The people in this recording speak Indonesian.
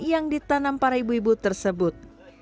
yang ditanam para ibu ibu tersebut